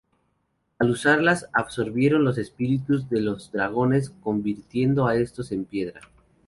Al usarlas absorbieron los espíritus de los dragones, convirtiendo a estos en piedra.